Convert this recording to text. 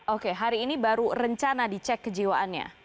oke hari ini baru rencana dicek kejiwaannya